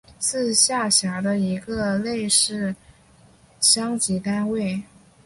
是下辖的一个类似乡级单位。